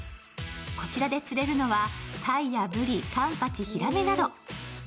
こちらで釣れるのはタイやブリ、カンパチ、ヒラメなど。